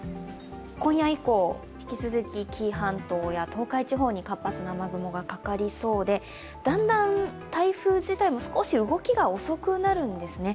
今夜以降、引き続き紀伊半島や東海地方に活発な雨雲がかかりそうで、だんだん台風自体の少し動きが遅くなるんですね。